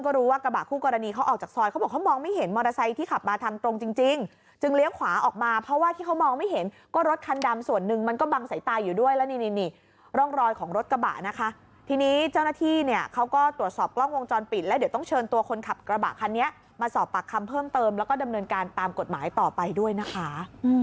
ของรถกระบะนะคะทีนี้เจ้าหน้าที่เนี้ยเขาก็ตรวจสอบกล้องวงจรปิดแล้วเดี๋ยวต้องเชิญตัวคนขับกระบะคันนี้มาสอบปากคำเพิ่มเติมแล้วก็ดำเนินการตามกฎหมายต่อไปด้วยนะคะ